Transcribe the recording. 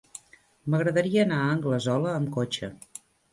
M'agradaria anar a Anglesola amb cotxe.